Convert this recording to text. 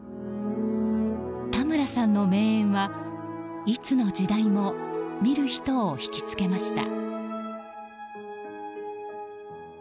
田村さんの名演はいつの時代も見る人をひきつけました。